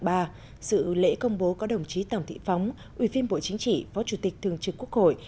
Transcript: sau đó sự lễ công bố có đồng chí tòng thị phóng ubnd phó chủ tịch thường trực quốc hội